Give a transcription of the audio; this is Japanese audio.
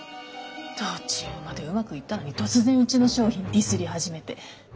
途中までうまくいったのに突然うちの商品ディスり始めて。